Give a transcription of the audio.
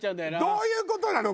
どういう事なの？